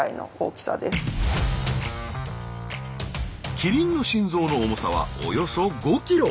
キリンの心臓の重さはおよそ５ｋｇ。